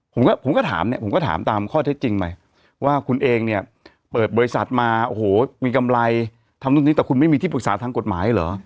ผมก็ผมก็ถามเนี่ยผมก็ถามตามข้อเท็จจริงไปว่าคุณเองเนี่ยเปิดบริษัทมาโอ้โหมีกำไรทำนู่นนี้แต่คุณไม่มีที่ปรึกษาทางกฎหมายเหรอ